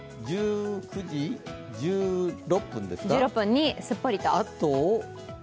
１９時１６分ですか。